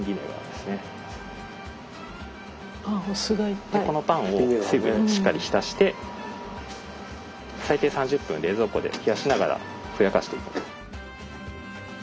でこのパンを水分にしっかり浸して最低３０分冷蔵庫で冷やしながらふやかしていく。